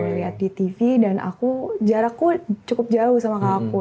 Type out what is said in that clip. lihat di tv dan aku jarakku cukup jauh sama kakakku